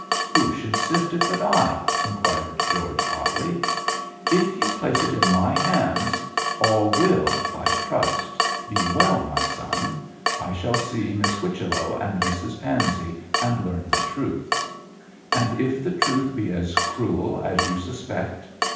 'Who should sift it but I?' inquired George, hotly. 'If you place it in my hands all will I trust be well, my son. I shall see Miss Whichello and Mrs Pansey and learn the truth.' 'And if the truth be as cruel as you suspect?'